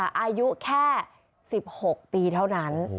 อายุแค่๑๖ปีเท่านั้น